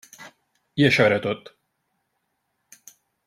I això era tot.